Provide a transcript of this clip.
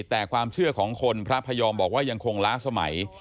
แต่ความเชื่อของคนพระพยอมบอกว่ายังคงล้าสมัย